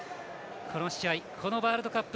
この試合、このワールドカップ